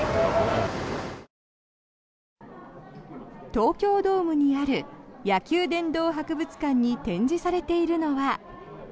東京ドームにある野球殿堂博物館に展示されているのは。